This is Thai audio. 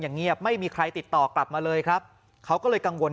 เงียบไม่มีใครติดต่อกลับมาเลยครับเขาก็เลยกังวล